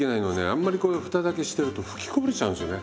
あんまりこう蓋だけしてると吹きこぼれちゃうんですよね